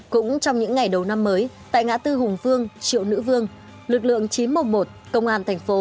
cũng trong những ngày đầu năm mới tại ngã tư hùng vương triệu nữ vương lực lượng chín trăm một mươi một công an thành phố